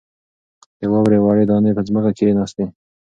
د واورې وړې دانې په ځمکه کښېناستې.